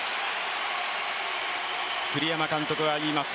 栗山監督は言います。